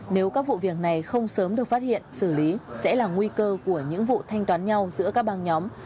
nếu các vụ việc này không sớm được phát hiện xử lý sẽ là nguy cơ của những vụ thanh toán nhau giữa các băng nhóm